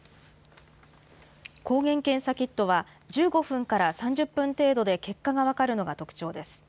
抗原検査キットは、１５分から３０分程度で結果が分かるのが特徴です。